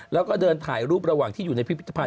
แล้วก็เดินถ่ายรูประหว่างที่อยู่ในพิพิธภั